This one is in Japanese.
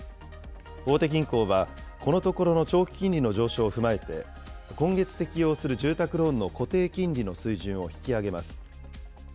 大手銀行はこのところの長期金利の上昇を踏まえて、今月適用する住宅ローンの固定金利の水準を引き上げます。